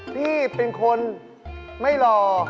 พี่เป็นคนไม่หล่อ